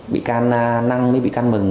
bị can năng với bị can mừng